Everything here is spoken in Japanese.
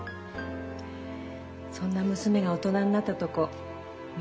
そんな娘が大人になったとこ見たいわ。